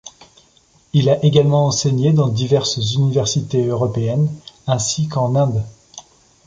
Il a également enseigné dans diverses universités européennes ainsi qu'en Inde.